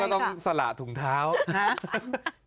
ใครออกแบบห้องน้ำวะ